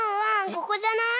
ここじゃない？